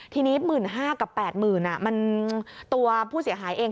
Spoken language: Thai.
ทีนี้๑๕๐๐กับ๘๐๐๐มันตัวผู้เสียหายเอง